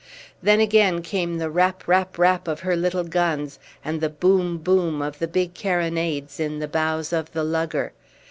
Then again came the rap, rap, rap, of her little guns, and the boom, boom of the big carronades in the bows of the lugger.